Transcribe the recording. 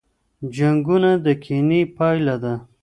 جنګونه د کینې پایله ده.